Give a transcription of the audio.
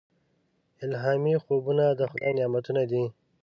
الهامي خوبونه د خدای نعمتونه دي.